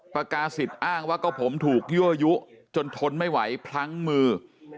ประกาศิษย์อ้างว่าก็ผมถูกยั่วยุจนทนไม่ไหวพลั้งมือ